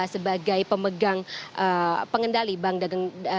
sebagai pemegang pengendali bank dagang